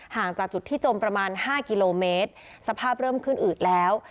ห่างจากจุดที่จมประมาณ๕กิโลเมตรสภาพเริ่มขึ้นอืดแล้ว